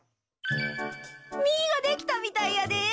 みができたみたいやで！